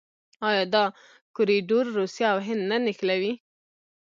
آیا دا کوریډور روسیه او هند نه نښلوي؟